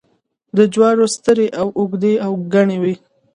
د جوارو سترۍ اوږدې او گڼې وي.